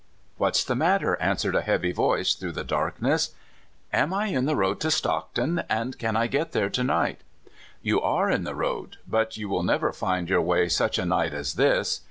" ''What's the matter?" answered a heavy voice through the darkness. *'Am I in the road to Stockton? and can I get there to night? " "You are in the road, but you will never find your way such a night as this.